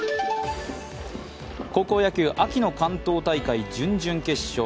高校野球、秋の関東大会準々決勝。